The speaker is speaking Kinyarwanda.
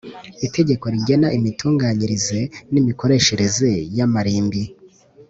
Itegeko rigena imitunganyirize n imikoreshereze y amarimbi